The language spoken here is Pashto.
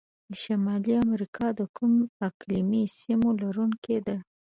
شمالي امریکا د کومو اقلیمي سیمو لرونکي ده؟